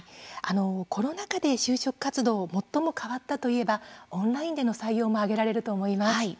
コロナ禍で就職活動最も変わったといえばオンラインでの採用も挙げられると思います。